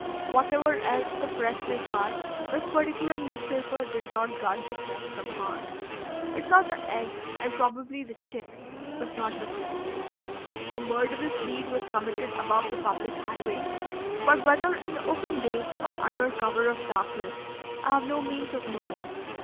Whatever else the press may guard, this particular newspaper did not guard this nest from harm. It saw the egg and probably the chick, but not the fledgeling. A murderous deed was committed above the public highway, but whether in the open day or under cover of darkness I have no means of knowing.